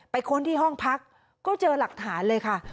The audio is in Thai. ค้นที่ห้องพักก็เจอหลักฐานเลยค่ะ